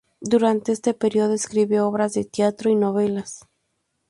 Durante este período escribe obras de teatro y novelas.